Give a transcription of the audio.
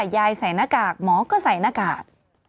ใส่หน้ากากหมอก็ใส่หน้ากาก